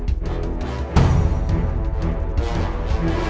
aku pengen mad muy